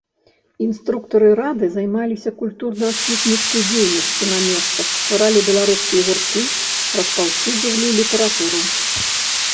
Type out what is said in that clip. Інструктары рады займаліся культурна-асветнай дзейнасцю на месцах, стваралі беларускія гурткі, распаўсюджвалі літаратуру.